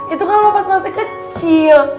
itu kan lu pas masih kecil